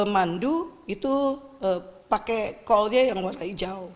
mandu itu pakai kolnya yang warna hijau